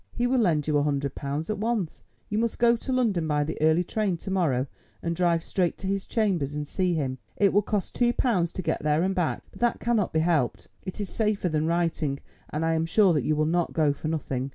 He will lend you a hundred pounds at once. You must go to London by the early train to morrow, and drive straight to his chambers and see him. It will cost two pounds to get there and back, but that cannot be helped; it is safer than writing, and I am sure that you will not go for nothing.